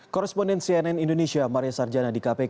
korresponden cnn indonesia maria sarjadzian